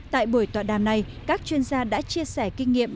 tại buổi tọa đàm này các chuyên gia đã chia sẻ kinh nghiệm